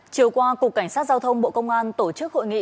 chiều qua cục cảnh sát giao thông bộ công an tổ chức hội nghị